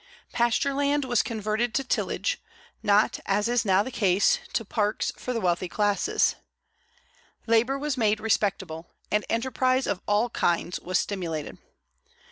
Pasture land was converted to tillage, not, as is now the case, to parks for the wealthy classes. Labor was made respectable, and enterprise of all kinds was stimulated.